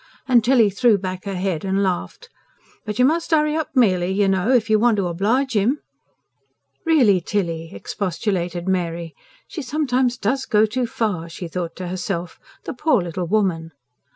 And Tilly threw back her head and laughed. "But you must hurry up, Mely, you know, if you want to oblige 'im." "Really, Tilly!" expostulated Mary. ("She sometimes DOES go too far," she thought to herself. "The poor little woman!")